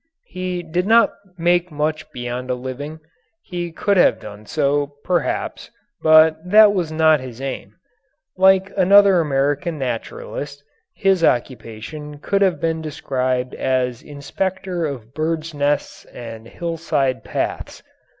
He did not make much beyond a living. He could have done so, perhaps, but that was not his aim. Like another American naturalist, his occupation could have been described as inspector of birds' nests and hillside paths.